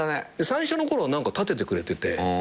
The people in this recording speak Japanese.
最初のころ立ててくれてて。